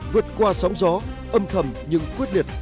vượt qua sóng gió âm thầm nhưng quyết liệt